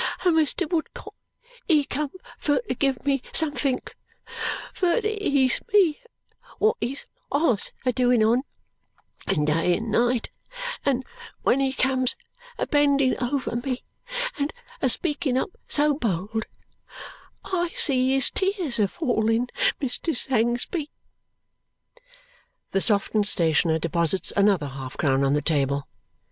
And Mr. Woodcot, he come fur to giv me somethink fur to ease me, wot he's allus a doin' on day and night, and wen he come a bending over me and a speakin up so bold, I see his tears a fallin, Mr. Sangsby." The softened stationer deposits another half crown on the table.